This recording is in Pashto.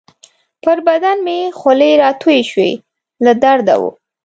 پر بدن مې خولې راتویې شوې، له درده وو.